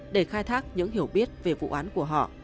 để khai thác những hiểu biết về vụ án của họ